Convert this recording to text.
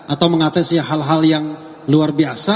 atau mengatasi hal hal yang luar biasa